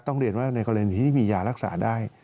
ต้องเรียนว่าในกรณีที่มียารักษาได้